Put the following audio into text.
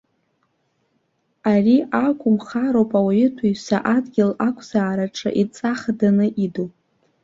Ари акәымхароуп ауаҩытәыҩса адгьыл ақәзаараҿы идҵа хаданы иду.